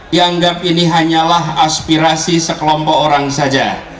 dianggap ini hanyalah aspirasi sekelompok orang saja